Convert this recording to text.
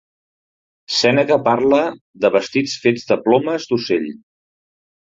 Sèneca parla de vestits fets de plomes d'ocell.